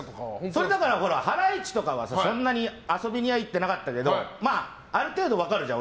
それはハライチとかはそんなに遊びには行ってなかったけどある程度分かるじゃん